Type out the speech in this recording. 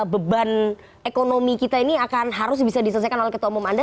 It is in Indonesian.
beban ekonomi kita ini akan harus bisa diselesaikan oleh ketua umum anda